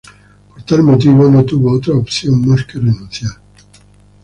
Por tal motivo, no tuvo otra opción más que renunciar.